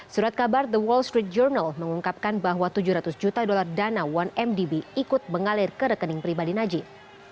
surat kabar the wall street journal mengungkapkan bahwa tujuh ratus juta dolar dana satu mdb ikut mengalir ke rekening pribadi najib